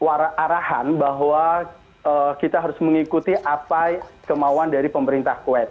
arahan bahwa kita harus mengikuti apa kemauan dari pemerintah quez